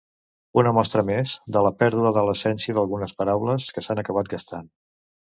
Una mostra més de la pèrdua de l'essència d'algunes paraules, que s'han acabat gastant.